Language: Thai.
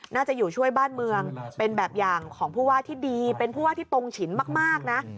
น่าจะอยู่ช่วยบ้านเมืองเป็นแบบอย่างของผู้ว่าที่ดีเป็นผู้ว่าที่ตรงฉินมากนะ